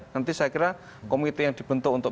nanti saya kira komite yang dibentuk untuk